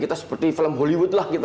kita seperti film hollywood lah kita